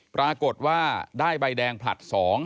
ปรากฏว่าได้ใบแดงผลัด๒